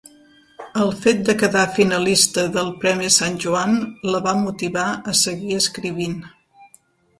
El fet de quedar finalista del Premi Sant Joan, la va motivar a seguir escrivint.